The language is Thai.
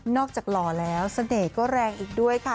จากหล่อแล้วเสน่ห์ก็แรงอีกด้วยค่ะ